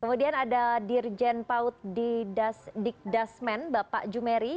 kemudian ada dirjen paut dik dasmen bapak jumeri